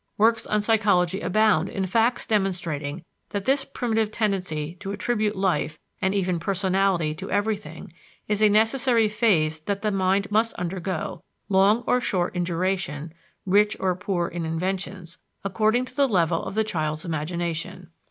Works on psychology abound in facts demonstrating that this primitive tendency to attribute life and even personality to everything is a necessary phase that the mind must undergo long or short in duration, rich or poor in inventions, according to the level of the child's imagination.